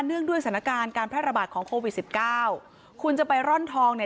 งด้วยสถานการณ์การแพร่ระบาดของโควิดสิบเก้าคุณจะไปร่อนทองเนี่ย